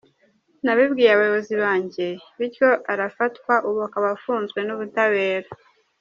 Nabibwiye abayobozi banjye bityo arafatwa ubu akaba afunzwe n’ubutabera.